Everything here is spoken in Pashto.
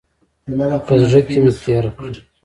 په زړه کې مې تېره کړه.